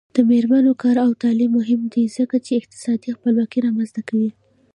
د میرمنو کار او تعلیم مهم دی ځکه چې اقتصادي خپلواکۍ رامنځته کوي.